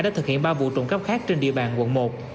đã thực hiện ba vụ trộm cắp khác trên địa bàn quận một